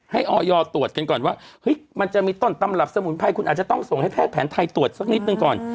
ออยตรวจกันก่อนว่ามันจะมีต้นตำรับสมุนไพรคุณอาจจะต้องส่งให้แพทย์แผนไทยตรวจสักนิดหนึ่งก่อน